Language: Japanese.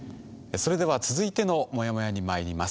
それでは続いてのモヤモヤにまいります。